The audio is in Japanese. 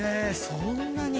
そんなに？